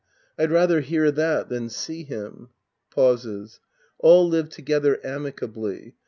I'd rather hear that than see him. {Pauses.) All live together amicably.